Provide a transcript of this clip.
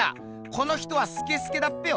この人はスケスケだっぺよ。